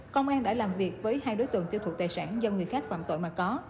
công an đã làm việc với hai đối tượng tiêu thụ tài sản do người khác phạm tội mà có